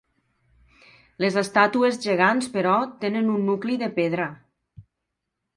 Les estàtues gegants, però, tenen un nucli de pedra.